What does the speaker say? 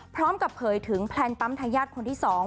พร้อมกับเผยถึงแพลนปั๊มทายาทคนที่๒